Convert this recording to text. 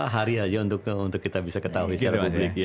hari aja untuk kita bisa ketahui secara publik